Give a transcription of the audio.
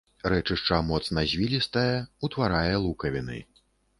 Рэчышча моцна звілістае, утварае лукавіны.